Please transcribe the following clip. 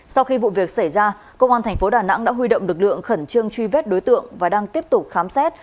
sau khi vụ việc xảy ra công an thành phố đà nẵng đã huy động lực lượng khẩn trương truy vết đối tượng và đang tiếp tục khám xét